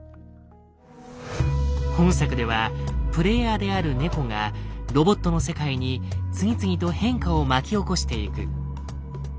本作ではプレイヤーである猫がロボットの世界に次々と変化を巻き起こしていく。